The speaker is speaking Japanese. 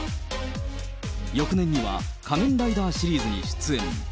翌年には仮面ライダーシリーズに出演。